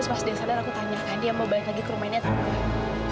terus pas dia sadar aku tanyakan dia mau balik lagi ke rumahnya atau nggak